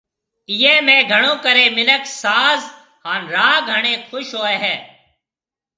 ايئي ۾ گھڻو ڪري منک ساز هان راگ ۿڻي خوش هوئي هي